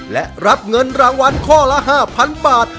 และรับเงินรางวัลข้อละ๕๐๐๐บาท